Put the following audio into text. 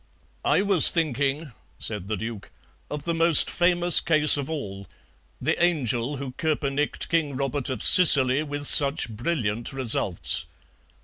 "I was thinking," said the Duke, "of the most famous case of all, the angel who koepenicked King Robert of Sicily with such brilliant results.